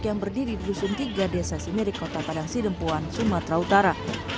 yang berdiri di gusung tiga desa sini di kota padangsi dempuan sumatera utara